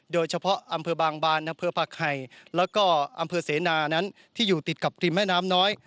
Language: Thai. โดยเฉพาะอำเภอบางบานอำเภอผักไห่แล้วก็อำเภอเสนานั้นที่อยู่ติดกับริมแม่น้ำน้อย